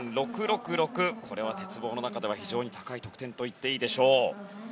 鉄棒の中では非常に高い得点といっていいでしょう。